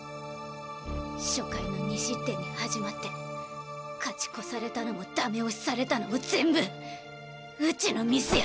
初回の２失点に始まって勝ち越されたのもダメ押しされたのも全部うちのミスや！